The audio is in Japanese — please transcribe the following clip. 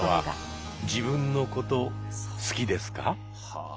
はあ。